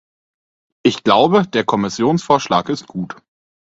Ich glaube, der Kommissionsvorschlag ist gut.